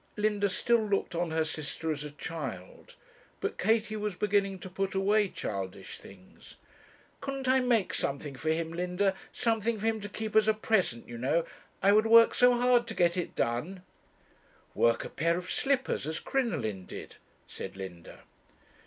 Linda still looked on her sister as a child; but Katie was beginning to put away childish things. 'Couldn't I make something for him, Linda something for him to keep as a present, you know? I would work so hard to get it done.' 'Work a pair of slippers, as Crinoline did,' said Linda.